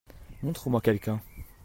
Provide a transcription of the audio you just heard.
Montre moi quelqu'un.